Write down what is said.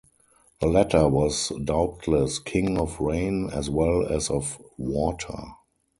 The latter was doubtless king of rain as well as of water.